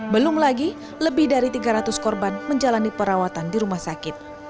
belum lagi lebih dari tiga ratus korban menjalani perawatan di rumah sakit